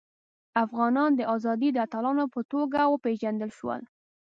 افغانان د ازادۍ د اتلانو په توګه وپيژندل شول.